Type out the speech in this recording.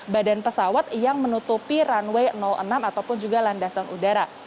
badan pesawat yang menutupi runway enam ataupun juga landasan udara